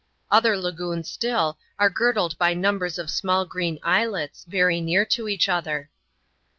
Other lagoons still, are girdled by numbers of small green islets, very near to each other.